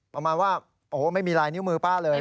ประมาณว่าโอ้โหไม่มีลายนิ้วมือป้าเลย